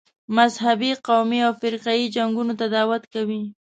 مذهبي، قومي او فرقه یي جنګونو ته دعوت کوي.